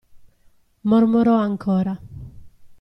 Mormorò ancora.